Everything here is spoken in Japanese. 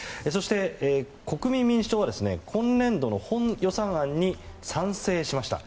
国民民主党は今年度の補正予算案に賛成しました。